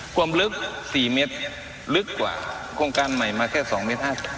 ความลึก๔เมตรลึกกว่าโครงการใหม่มาแค่๒เมตร๕๐